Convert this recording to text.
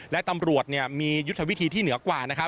และตำรวจมียุทธวิธีที่เหนือกว่านะครับ